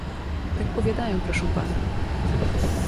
"Tak powiadają, proszę pana."